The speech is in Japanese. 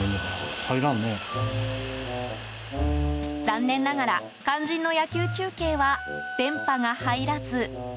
残念ながら肝心の野球中継は電波が入らず。